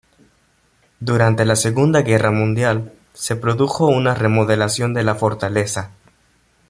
Durante la Segunda Guerra Mundial, se produjo una remodelación de la fortaleza.